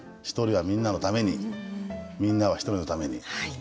「一人はみんなのためにみんなは一人のために」。